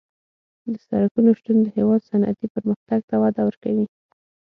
د سرکونو شتون د هېواد صنعتي پرمختګ ته وده ورکوي